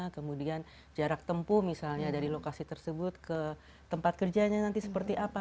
kemudian jarak tempuh misalnya dari lokasi tersebut ke tempat kerjanya nanti seperti apa